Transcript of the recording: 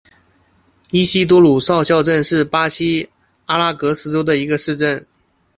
伊西多鲁少校镇是巴西阿拉戈斯州的一个市镇。